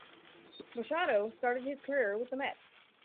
Machado started his career with the Mets.